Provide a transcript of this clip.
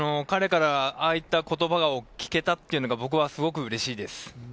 彼からああいった言葉を聞けたっていうのが僕はすごくうれしいです。